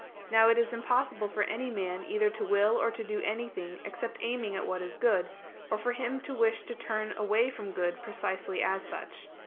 Now it is impossible for any man either to will or to do anything except aiming at what is good; or for him to wish to turn away from good precisely as such.